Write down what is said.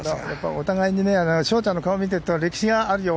お互いに捷ちゃんの顔を見ていると歴史があるよ。